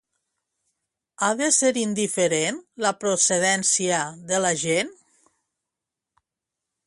Ha de ser indiferent la procedència de la gent?